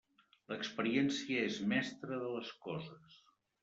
L'experiència és mestre de les coses.